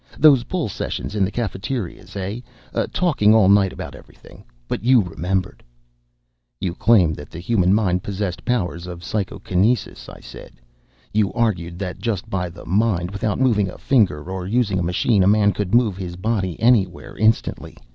"Those bull sessions in the cafeterias, eh? Talking all night about everything. But you remembered." "You claimed that the human mind possessed powers of psychokinesis," I said. "You argued that just by the mind, without moving a finger or using a machine, a man could move his body anywhere, instantly.